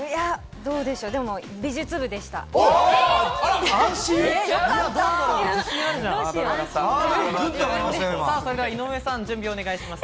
どうでしょう、でも美術部でした。